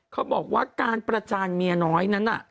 เขาบอกว่าการประจานเมียน้อยนั้นน่ะ